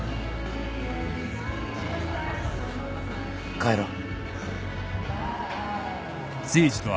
帰ろう。